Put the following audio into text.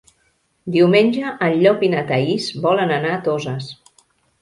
Diumenge en Llop i na Thaís volen anar a Toses.